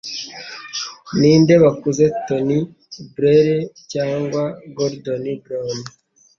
Ni nde bakuze Tony Blaire Cyangwa Gordon Brown